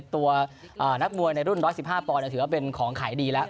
ตัวนักมวยในรุ่น๑๑๕ปอนด์ถือว่าเป็นของขายดีแล้ว